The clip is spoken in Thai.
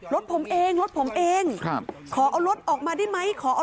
รถผมรถผมเองขอเอารถออกมาได้มั้ยค่ะ